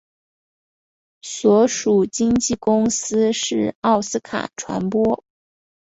所属经纪公司是奥斯卡传播。